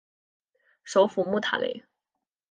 首府穆塔雷。